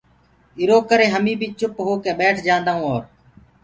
ايٚرو ڪري هميٚنٚ بي چُپ هوڪي ٻيٺ جآنٚدآئونٚ اورَ